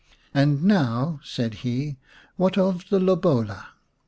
"And now/' said he, "what of the lobola?